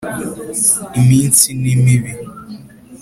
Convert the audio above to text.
Iminsi ni mibi